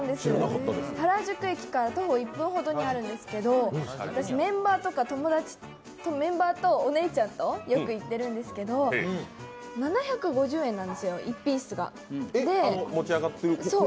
原宿駅から徒歩１分ほどにあるんですけど私、メンバーとお姉ちゃんとよく行ってるんですけど、７５０円なんですよ、１ピースが。